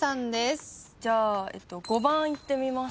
じゃあ５番いってみます。